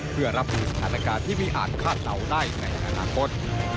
เพื่อรับมือสถานการณ์ที่ไม่อาจคาดเดาได้ในอนาคต